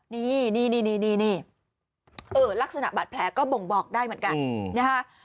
นี่ลักษณะบาดแผลก็บ่งบอกได้เหมือนกันนะฮะ